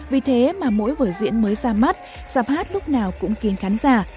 vì thế mà mỗi vở diễn mới ra mắt giảm hát lúc nào cũng kiến khán giả